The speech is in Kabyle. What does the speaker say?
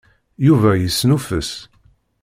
Yuba yesnuffes.